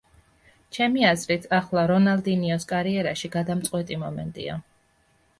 ჩემი აზრით, ახლა რონალდინიოს კარიერაში გადამწყვეტი მომენტია.